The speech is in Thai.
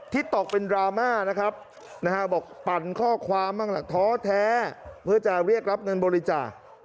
ตกเป็นดราม่านะครับบอกปั่นข้อความบ้างล่ะท้อแท้เพื่อจะเรียกรับเงินบริจาค